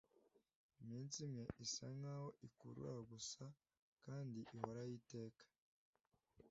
Iminsi imwe isa nkaho ikurura gusa kandi ihoraho iteka.